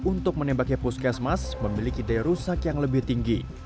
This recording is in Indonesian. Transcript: untuk menembaki puskesmas memiliki daya rusak yang lebih tinggi